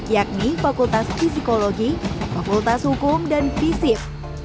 yakni fakultas fisikologi fakultas hukum dan fisip